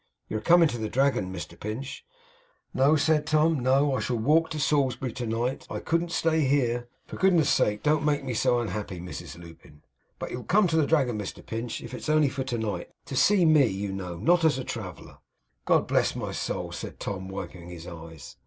'You're coming to the Dragon, Mr Pinch?' 'No,' said Tom, 'no. I shall walk to Salisbury to night. I couldn't stay here. For goodness' sake, don't make me so unhappy, Mrs Lupin.' 'But you'll come to the Dragon, Mr Pinch. If it's only for tonight. To see me, you know; not as a traveller.' 'God bless my soul!' said Tom, wiping his eyes.